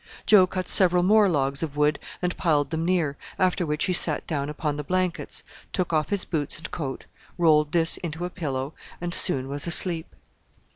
Joe cut several more logs of wood and piled them near, after which he sat down upon the blankets, took off his boots and coat, rolled this into a pillow, and soon was asleep.